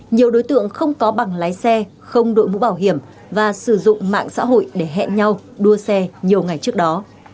nhiều đối tượng không có bằng lái xe không đội mũ bảo hiểm và sử dụng mạng xã hội để hẹn nhau đua xe nhiều ngày trước đó